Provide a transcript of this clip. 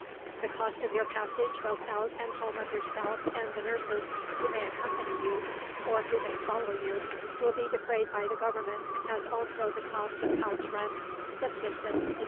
The cost of the passage both out and home of yourself and the nurses who may accompany you, or who may follow you, will be defrayed by the Government, as also the cost of house rent, subsistence, &c.